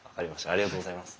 ありがとうございます。